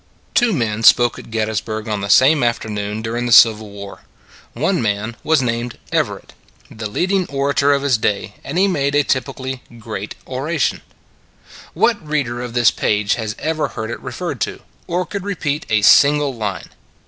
Two men spoke at Gettysburg on the same afternoon during the Civil War. One man was named Everett, the leading orator of his day; and he made a typically " great " oration. A Tax on Talk 113 What reader of this page has ever heard it referred to; or could repeat a single line?